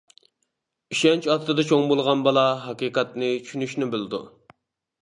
ئىشەنچ ئاستىدا چوڭ بولغان بالا، ھەقىقەتنى چۈشىنىشنى بىلىدۇ.